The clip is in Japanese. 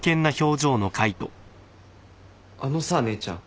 あのさ姉ちゃん。